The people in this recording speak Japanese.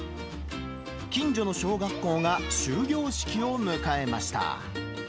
近所の小学校が終業式を迎えました。